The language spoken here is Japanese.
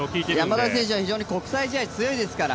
山田選手は国際試合に強いですから。